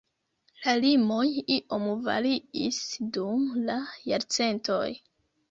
La limoj iom variis dum la jarcentoj.